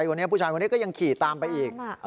ูนี้ผู้ชายก็ยังขี่ตามไปอีก